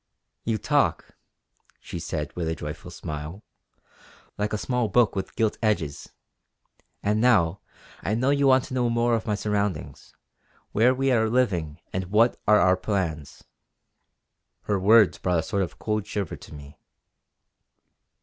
"You talk" she said with a joyful smile "like a small book with gilt edges! And now, I know you want to know more of my surroundings, where we are living and what are our plans." Her words brought a sort of cold shiver to me.